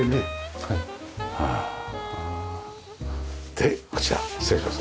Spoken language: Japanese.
でこちら失礼します。